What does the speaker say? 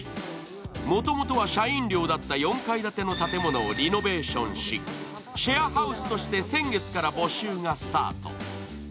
もともとは社員寮だった４階建ての建物をリノベーションし、シェアハウスとして先月から募集がスタート。